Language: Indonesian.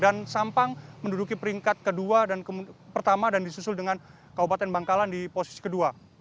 dan sampang menduduki peringkat kedua dan pertama dan disusul dengan kabupaten bangkalan di posisi kedua